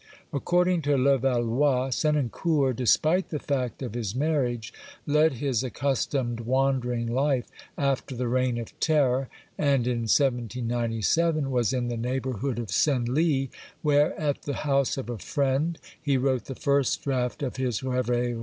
According to Levallois, Senancour, despite the fact of his marriage, led his accustomed wandering life after the reign of terror, and in 1797 was in the neighbourhood of Senlis, where, at the house of a friend, he wrote the first draft of his Reveries.